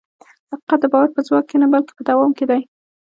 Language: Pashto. حقیقت د باور په ځواک کې نه، بلکې په دوام کې دی.